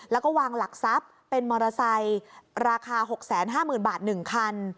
แล้วก็วางหลักทรัพย์เป็นมอเตอร์ไซค์ราคา๖๕๐๐๐บาท๑คัน